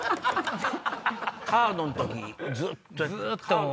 カードの時ずっとやってた。